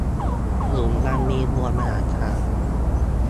หลุมดำมีมวลมหาศาล